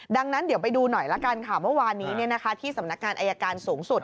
ดังนั้นเดี๋ยวไปดูหน่อยละกันค่ะเมื่อวานนี้ที่สำนักงานอายการสูงสุด